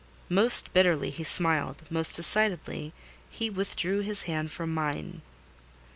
Most bitterly he smiled—most decidedly he withdrew his hand from mine.